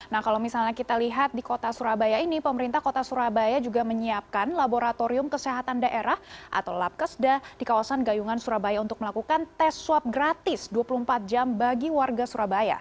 nah kalau misalnya kita lihat di kota surabaya ini pemerintah kota surabaya juga menyiapkan laboratorium kesehatan daerah atau labkesda di kawasan gayungan surabaya untuk melakukan tes swab gratis dua puluh empat jam bagi warga surabaya